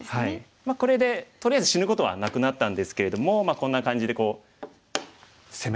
まあこれでとりあえず死ぬことはなくなったんですけれどもこんな感じでこう迫られて。